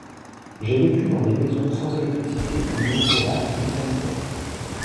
J’ai vécu dans des maisons sans électricité, ni eau courante, ni sanitaires.